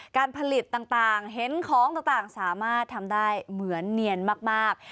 การผลิตต่างเห็นของต่างสามารถทำได้เหมือนเนียนมาก